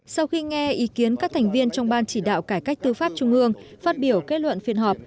sau khi nghe ý kiến các thành viên trong ban chỉ đạo cải cách tư pháp trung ương phát biểu kết luận phiên họp